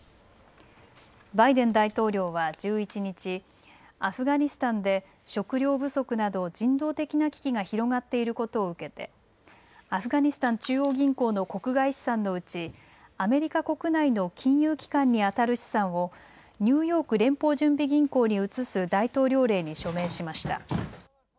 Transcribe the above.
バイデン大統領は１１日、アフガニスタンで食料不足など人道的な危機が広がっていることを受けてアフガニスタン中央銀行の国外資産のうちアメリカ国内の金融機関にあたる資産をニューヨーク連邦準備銀行に移す大統領令に署名しました。